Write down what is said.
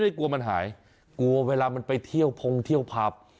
กลัวมันหายกลัวเวลามันไปเที่ยวพงเที่ยวผับ